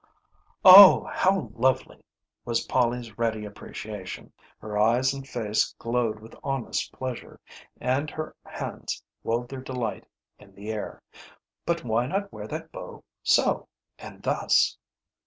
"Oh! How lovely!" was Polly's ready appreciation. Her eyes and face glowed with honest pleasure, and her hands wove their delight in the air. "But why not wear that bow so and thus?"